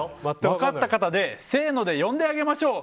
分かった方でせーので呼んであげましょう。